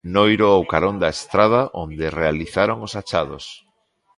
Noiro ao carón da estrada onde realizaron os achados.